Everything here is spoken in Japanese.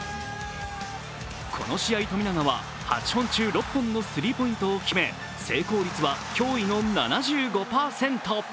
この試合、富永は８本中６本のスリーポイントを決め、成功率は驚異の７５％。